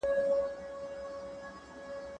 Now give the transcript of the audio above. ساینس تل ورو ورو پرمختګ کوي.